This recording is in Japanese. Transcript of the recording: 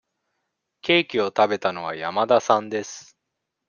ケーキを食べたのは山田さんです。